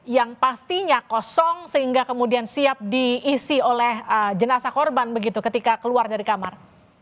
yang pastinya kosong sehingga kemudian siap diisi oleh jenazah korban begitu ketika keluar dari kamar